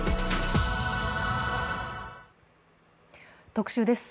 特集です。